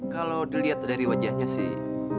kalau dilihat dari wajahnya sih